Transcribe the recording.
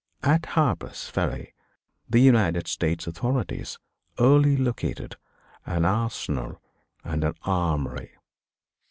At Harper's Ferry the United States authorities early located an Arsenal and an Armory.